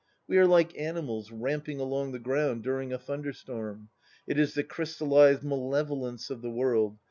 " We are like animals ramping along the ground during a thunderstorm. It is the crystallized malevolence of the world.